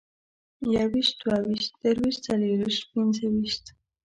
يويشت، دوه ويشت، درويشت، څلرويشت، پينځويشت